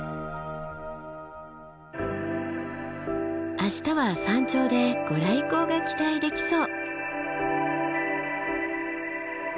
明日は山頂で御来光が期待できそう。